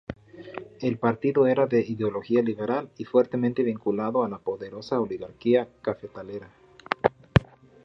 El partido era de ideología liberal y fuertemente vinculado a la poderosa oligarquía cafetalera.